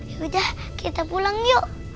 yaudah kita pulang yuk